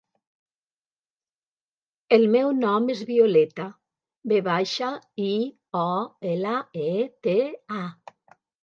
El meu nom és Violeta: ve baixa, i, o, ela, e, te, a.